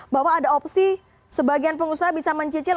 bahwa ada opsi sebagian pengusaha bisa mencicil